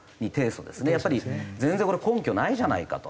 やっぱり全然これ根拠ないじゃないかと。